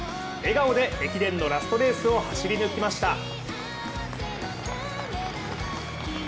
笑顔で駅伝のラストレースを走り抜きました。